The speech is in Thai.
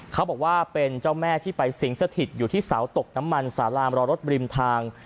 เขาบอกว่าเป็นเจ้าแม่ที่ไปสิงสถิตอยู่ที่เสาตกน้ำมันสารามรอรถบริมทาง